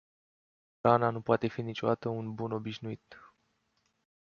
Hrana nu poate fi niciodată un bun obișnuit.